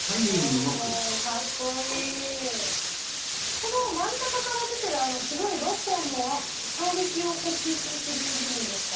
この真ん中から出てるあの白い６本のは衝撃を吸収する部分ですか？